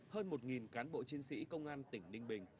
hơn một cán bộ chiến sĩ công an tỉnh ninh bình